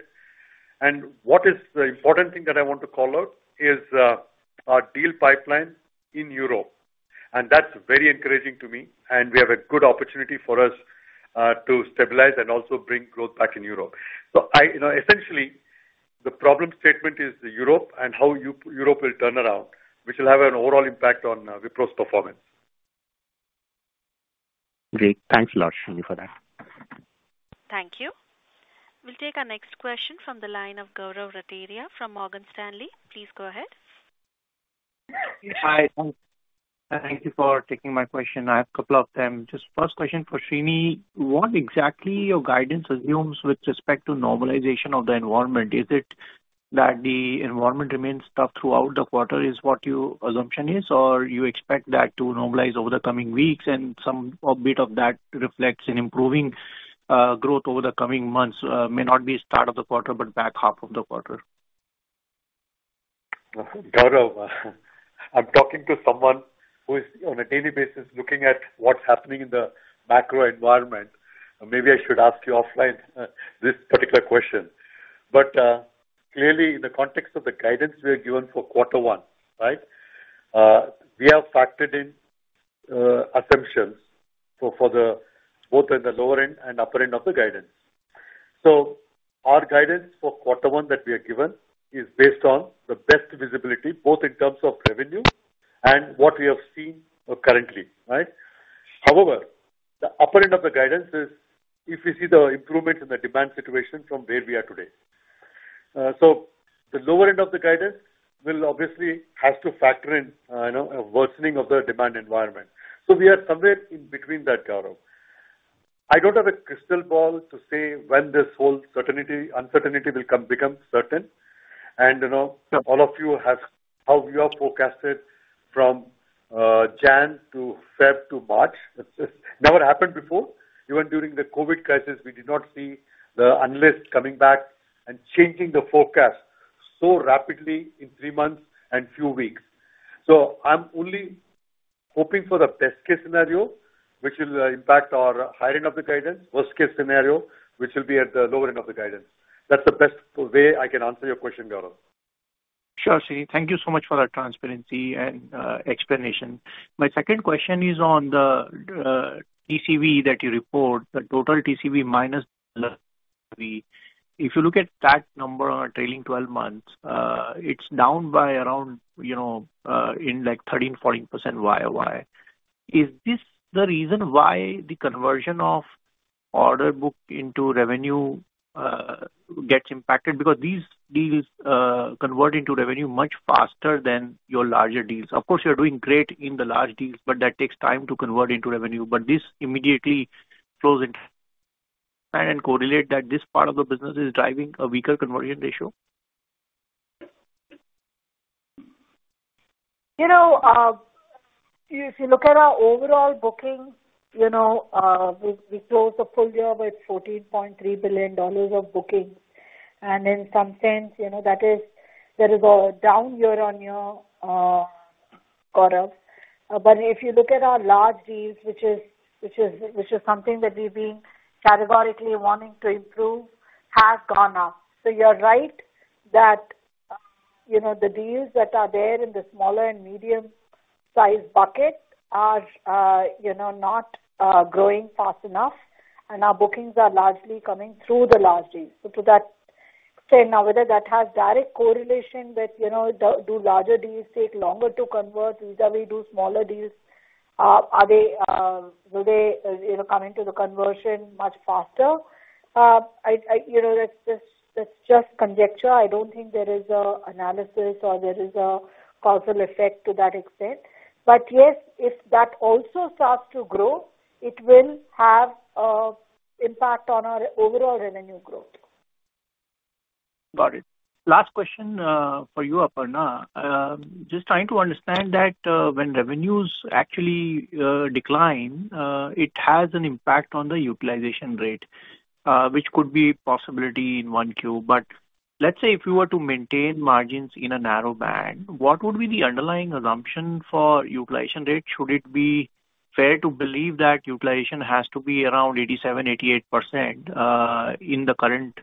What is the important thing that I want to call out is our deal pipeline in Europe. That is very encouraging to me. We have a good opportunity for us to stabilize and also bring growth back in Europe. Essentially, the problem statement is Europe and how Europe will turn around, which will have an overall impact on Wipro's performance. Great. Thanks a lot, Srini, for that. Thank you. We'll take our next question from the line of Gaurav Rateria from Morgan Stanley. Please go ahead. Hi. Thank you for taking my question. I have a couple of them. Just first question for Srini, what exactly your guidance assumes with respect to normalization of the environment? Is it that the environment remains tough throughout the quarter is what your assumption is, or do you expect that to normalize over the coming weeks, and some bit of that reflects in improving growth over the coming months? May not be start of the quarter, but back half of the quarter. Gaurav, I'm talking to someone who is on a daily basis looking at what's happening in the macro environment. Maybe I should ask you offline this particular question. Clearly, in the context of the guidance we are given for quarter one, we have factored in assumptions both in the lower end and upper end of the guidance. Our guidance for quarter one that we are given is based on the best visibility, both in terms of revenue and what we have seen currently, right? However, the upper end of the guidance is if we see the improvement in the demand situation from where we are today. The lower end of the guidance will obviously have to factor in a worsening of the demand environment. We are somewhere in between that, Gaurav. I do not have a crystal ball to say when this whole uncertainty will become certain. All of you have how you are forecasted from January to February to March. It has never happened before. Even during the COVID crisis, we did not see the analysts coming back and changing the forecast so rapidly in three months and few weeks. I'm only hoping for the best-case scenario, which will impact our higher end of the guidance, worst-case scenario, which will be at the lower end of the guidance. That's the best way I can answer your question, Gaurav. Sure, Srini. Thank you so much for that transparency and explanation. My second question is on the TCV that you report, the total TCV minus the TCV. If you look at that number on a trailing 12 months, it's down by around 13%-14% year over year. Is this the reason why the conversion of order book into revenue gets impacted? Because these deals convert into revenue much faster than your larger deals. Of course, you're doing great in the large deals, but that takes time to convert into revenue. This immediately flows into and correlate that this part of the business is driving a weaker conversion ratio? If you look at our overall booking, we closed the full year with $14.3 billion of booking. In some sense, that is a down year on your quarter. If you look at our large deals, which is something that we've been categorically wanting to improve, have gone up. You're right that the deals that are there in the smaller and medium-sized bucket are not growing fast enough, and our bookings are largely coming through the large deals. To that extent, now whether that has direct correlation with do larger deals take longer to convert, either we do smaller deals, will they come into the conversion much faster? That's just conjecture. I don't think there is an analysis or there is a causal effect to that extent. Yes, if that also starts to grow, it will have an impact on our overall revenue growth. Got it. Last question for you, Aparna. Just trying to understand that when revenues actually decline, it has an impact on the utilization rate, which could be a possibility in one queue. Let's say if you were to maintain margins in a narrow band, what would be the underlying assumption for utilization rate? Should it be fair to believe that utilization has to be around 87-88% in the current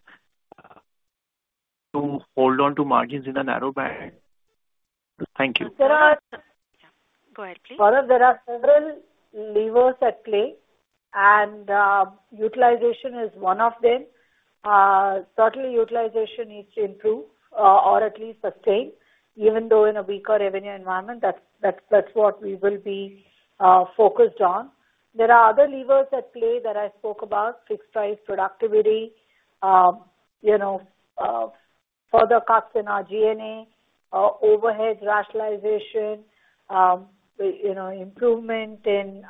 to hold on to margins in a narrow band? Thank you. There are, Yeah. Go ahead, please. Gaurav, there are several levers at play, and utilization is one of them. Certainly, utilization needs to improve or at least sustain, even though in a weaker revenue environment, that's what we will be focused on. There are other levers at play that I spoke about: fixed price productivity, further cuts in our G&A, overhead rationalization, improvement in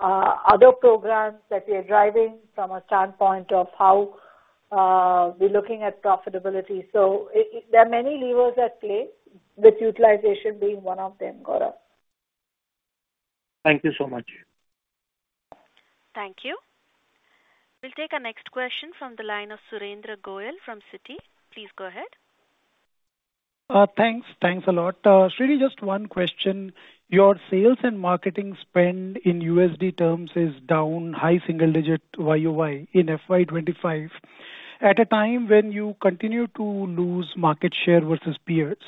other programs that we are driving from a standpoint of how we're looking at profitability. There are many levers at play, with utilization being one of them, Gaurav. Thank you so much. Thank you. We'll take our next question from the line of Surendra Goyal from Citi. Please go ahead. Thanks a lot. Srini, just one question. Your sales and marketing spend in USD terms is down high single-digit YOY in FY 2025 at a time when you continue to lose market share versus peers.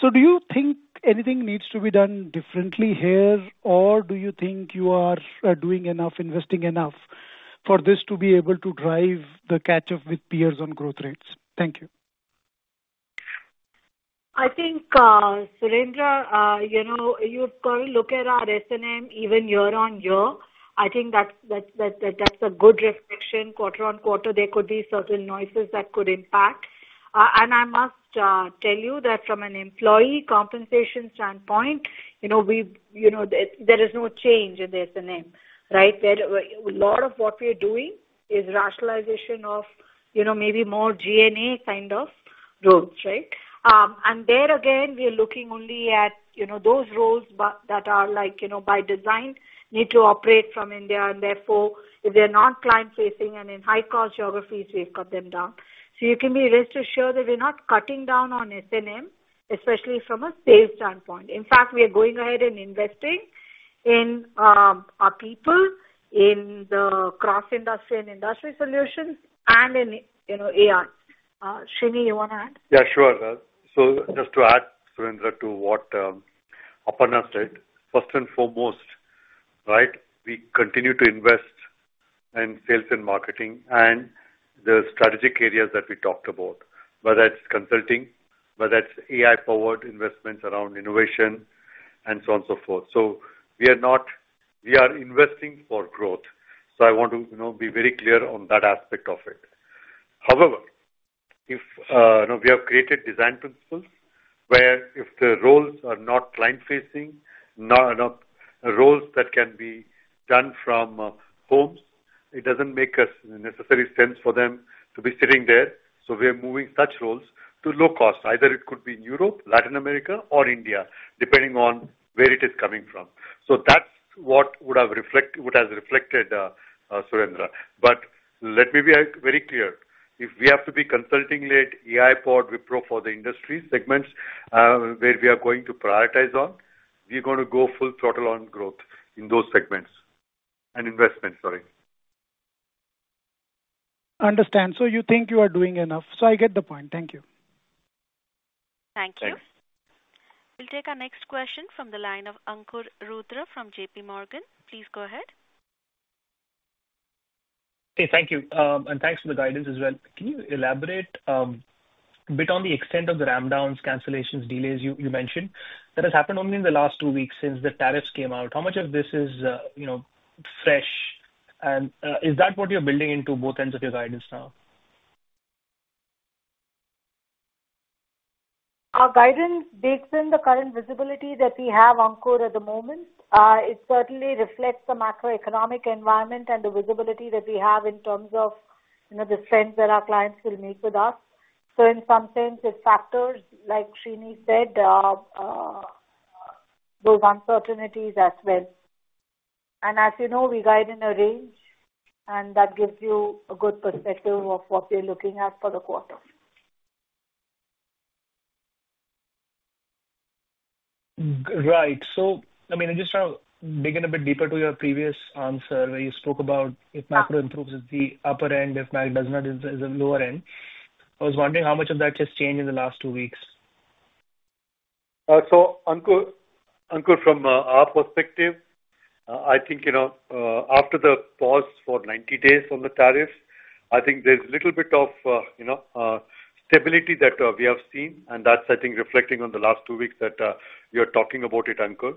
Do you think anything needs to be done differently here, or do you think you are doing enough, investing enough for this to be able to drive the catch-up with peers on growth rates? Thank you. I think, Surendra, you've got to look at our S&M even year on year. I think that's a good reflection. Quarter on quarter, there could be certain noises that could impact. I must tell you that from an employee compensation standpoint, there is no change in the S&M, right? A lot of what we are doing is rationalization of maybe more G&A kind of roles, right? There, again, we are looking only at those roles that are by design need to operate from India. Therefore, if they're not client-facing and in high-cost geographies, we've cut them down. You can be rest assured that we're not cutting down on S&M, especially from a sales standpoint. In fact, we are going ahead and investing in our people in the cross-industry and industry solutions and in AI. Srini, you want to add? Yeah, sure. Just to add, Surendra, to what Aparna said, first and foremost, right, we continue to invest in sales and marketing and the strategic areas that we talked about, whether it's consulting, whether it's AI-powered investments around innovation, and so on and so forth. We are investing for growth. I want to be very clear on that aspect of it. However, we have created design principles where if the roles are not client-facing, roles that can be done from homes, it does not necessarily make sense for them to be sitting there. We are moving such roles to low-cost. Either it could be in Europe, Latin America, or India, depending on where it is coming from. That is what has reflected, Surendra. Let me be very clear. If we have to be consulting-led, AI-powered Wipro for the industry segments where we are going to prioritize on, we are going to go full throttle on growth in those segments and investments, sorry. Understand. You think you are doing enough. I get the point. Thank you. Thank you. We'll take our next question from the line of Ankur Rudra from J.P. Morgan. Please go ahead. Hey, thank you. Thanks for the guidance as well. Can you elaborate a bit on the extent of the rampdowns, cancellations, delays you mentioned? That has happened only in the last two weeks since the tariffs came out. How much of this is fresh? Is that what you're building into both ends of your guidance now? Our guidance digs in the current visibility that we have, Ankur, at the moment. It certainly reflects the macroeconomic environment and the visibility that we have in terms of the spend that our clients will make with us. In some sense, it factors, like Srini said, those uncertainties as well. As you know, we guide in a range, and that gives you a good perspective of what we're looking at for the quarter. Right. I just want to dig in a bit deeper to your previous answer where you spoke about if macro improves at the upper end, if macro does not improve at the lower end. I was wondering how much of that has changed in the last two weeks. Ankur, from our perspective, I think after the pause for 90 days on the tariffs, I think there's a little bit of stability that we have seen. That is, I think, reflecting on the last two weeks that you are talking about, Ankur.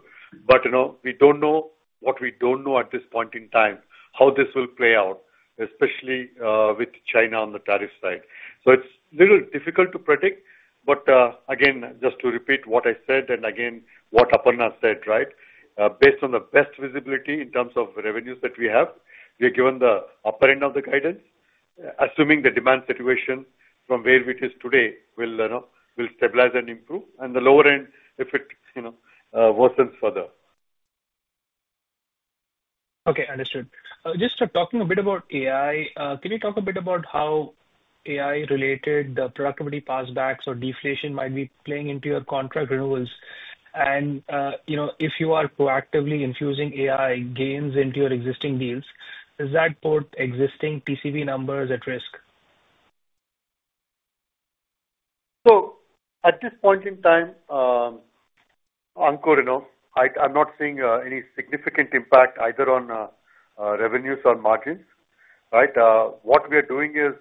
We do not know what we do not know at this point in time, how this will play out, especially with China on the tariff side. It is a little difficult to predict. Just to repeat what I said and again what Aparna said, right? Based on the best visibility in terms of revenues that we have, we are giving the upper end of the guidance, assuming the demand situation from where it is today will stabilize and improve, and the lower end if it worsens further. Okay. Understood. Just talking a bit about AI, can you talk a bit about how AI-related productivity passbacks or deflation might be playing into your contract renewals? If you are proactively infusing AI gains into your existing deals, does that put existing TCV numbers at risk? At this point in time, Ankur, I'm not seeing any significant impact either on revenues or margins, right? What we are doing is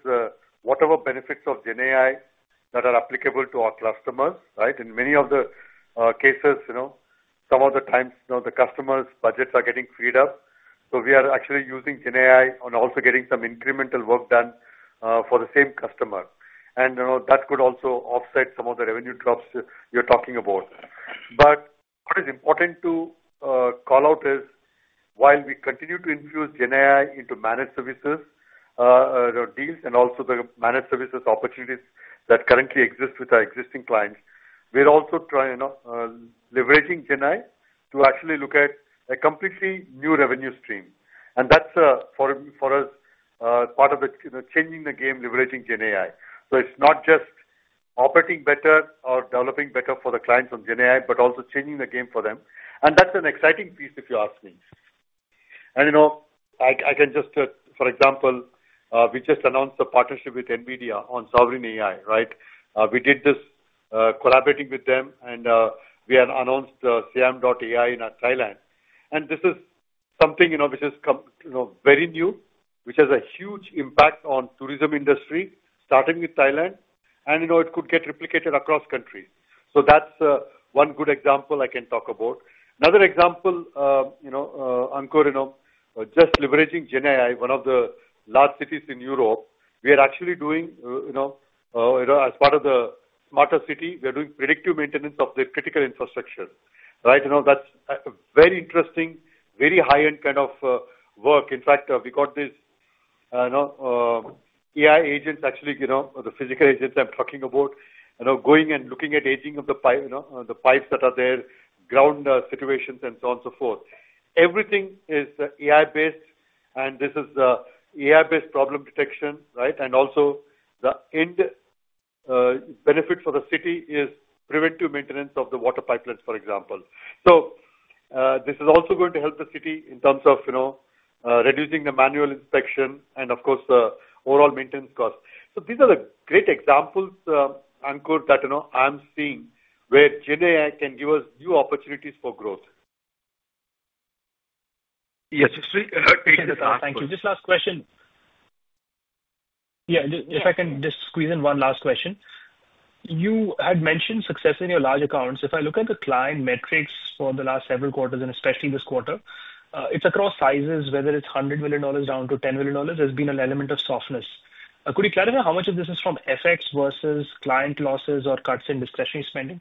whatever benefits of GenAI that are applicable to our customers, right? In many of the cases, some of the times the customer's budgets are getting freed up. We are actually using GenAI and also getting some incremental work done for the same customer. That could also offset some of the revenue drops you're talking about. What is important to call out is while we continue to infuse GenAI into managed services deals and also the managed services opportunities that currently exist with our existing clients, we're also leveraging GenAI to actually look at a completely new revenue stream. That is for us part of changing the game, leveraging GenAI. It is not just operating better or developing better for the clients on GenAI, but also changing the game for them. That is an exciting piece if you ask me. I can just, for example, we just announced a partnership with NVIDIA on Sovereign AI, right? We did this collaborating with them, and we announced the SIAM.AI in Thailand. This is something which is very new, which has a huge impact on the tourism industry, starting with Thailand. It could get replicated across countries. That is one good example I can talk about. Another example, Ankur, just leveraging GenAI, one of the large cities in Europe, we are actually doing, as part of the smarter city, we are doing predictive maintenance of the critical infrastructure, right? That is very interesting, very high-end kind of work. In fact, we got these AI agents, actually the physical agents I'm talking about, going and looking at aging of the pipes that are there, ground situations, and so on and so forth. Everything is AI-based, and this is AI-based problem detection, right? Also, the end benefit for the city is preventive maintenance of the water pipelines, for example. This is also going to help the city in terms of reducing the manual inspection and, of course, the overall maintenance cost. These are the great examples, Ankur, that I'm seeing where GenAI can give us new opportunities for growth. Yes. Thank you. Just last question. Yeah. If I can just squeeze in one last question. You had mentioned success in your large accounts. If I look at the client metrics for the last several quarters, and especially this quarter, it is across sizes, whether it is $100 million down to $10 million, there has been an element of softness. Could you clarify how much of this is from FX versus client losses or cuts in discretionary spending?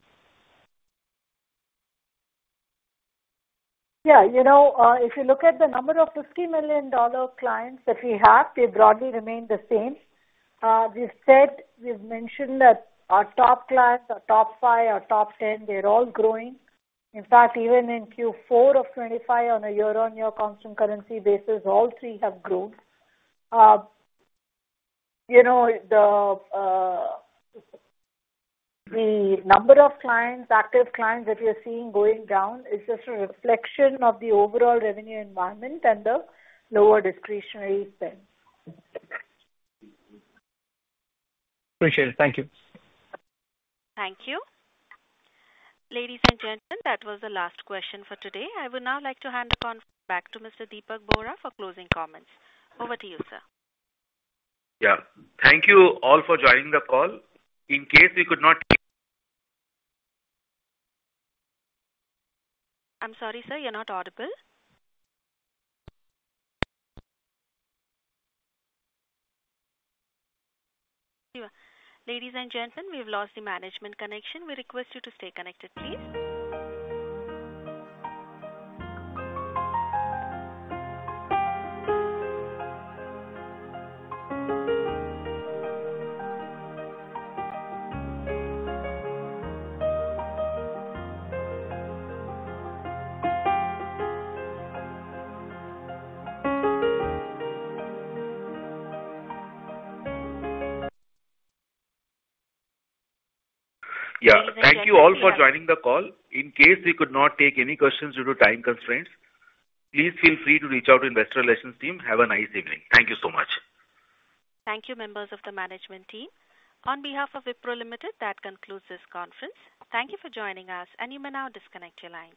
Yeah. If you look at the number of $50 million clients that we have, they broadly remain the same. We have said, we have mentioned that our top clients, our top five, our top ten, they are all growing. In fact, even in Q4 of 2025, on a year-on-year constant currency basis, all three have grown. The number of clients, active clients that we are seeing going down is just a reflection of the overall revenue environment and the lower discretionary spend. Appreciate it. Thank you. Thank you. Ladies and gentlemen, that was the last question for today. I would now like to hand the conference back to Mr. Dipak Bohra for closing comments. Over to you, sir. Thank you all for joining the call. In case we could not.... I'm sorry, sir. You're not audible. Ladies and gentlemen, we've lost the management connection. We request you to stay connected, please. Thank you all for joining the call. In case we could not take any questions due to time constraints, please feel free to reach out to the investor relations team. Have a nice evening. Thank you so much. Thank you, members of the management team. On behalf of Wipro Limited, that concludes this conference. Thank you for joining us, and you may now disconnect your lines.